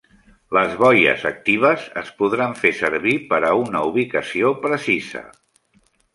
Les boies actives es podran fer servir per a una ubicació precisa.